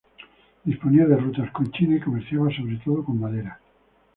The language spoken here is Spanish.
Disponía de rutas con China y comerciaba sobre todo con madera.